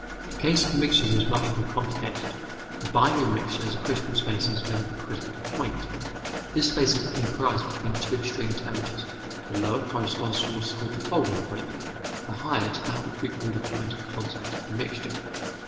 The case of mixtures is much more complicated. A binary mixture has a critical space instead of a critical point. This space is comprised between two extreme temperatures, the lower corresponding to what is called the folding point, the higher to that which we call the point of contact of the mixture.